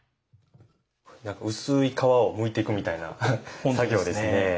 薄い皮をむいていくみたいな作業ですね。